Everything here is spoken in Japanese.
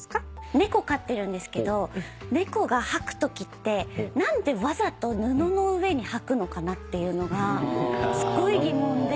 猫飼ってるんですけど猫が吐くときって何でわざと布の上に吐くのかなっていうのがすごい疑問で。